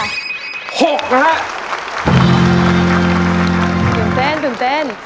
ตื่นเต้น